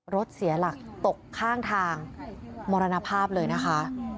รถเสียหลักตกข้างทางมรณภาพเลยนะคะ